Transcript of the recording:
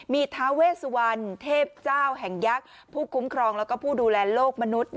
มีทาเวสวรรณเทพเจ้าแห่งยักษ์ผู้คุ้มครองและผู้ดูแลโลกมนุษย์